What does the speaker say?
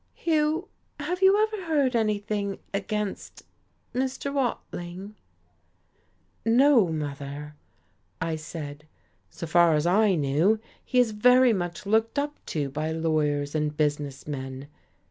"Hugh, have you ever heard anything against Mr. Watling?" "No, mother," I said. "So far as I knew, he is very much looked up to by lawyers and business men.